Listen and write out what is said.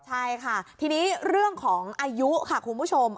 ใช่ค่ะทีนี้เรื่องของอายุค่ะคุณผู้ชม